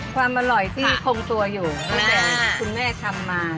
ความอร่อยที่คงตัวอยู่ที่แม่ทำมา